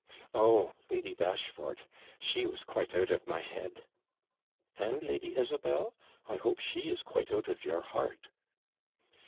'Oh, Lady Dashfort! she was quite out of my head.' 'And Lady Isabel? I hope she is quite out of your heart.'